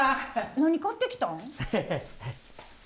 何買ってきたん？